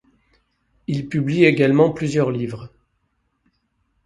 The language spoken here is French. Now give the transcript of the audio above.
Il publie également plusieurs livres.